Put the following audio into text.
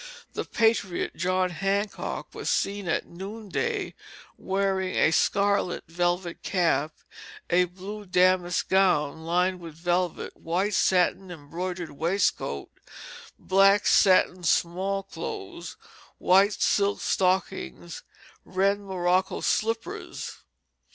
The patriot, John Hancock, was seen at noonday wearing a scarlet velvet cap, a blue damask gown lined with velvet, white satin embroidered waistcoat, black satin small clothes, white silk stockings, and red morocco slippers.